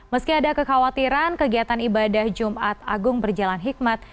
meski ada kekhawatiran kegiatan ibadah jumat agung berjalan hikmat